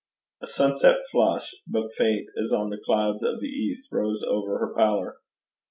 A sunset flush, but faint as on the clouds of the east, rose over her pallor.